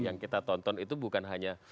yang kita tonton itu bukan hanya